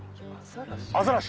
アザラシ？